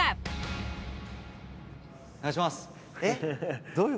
お願いします。